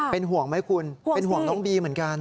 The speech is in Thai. เป็นห่วงไหมคุณเป็นห่วงน้องบีเหมือนกัน